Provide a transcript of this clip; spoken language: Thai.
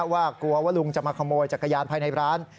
ว่ากลัวว่าลุงจะมาขโมยจักรยานภายในร้าน